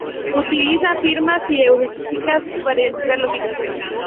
Utiliza firmas y heurísticas para identificar los virus.